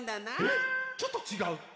ちょっとちがう？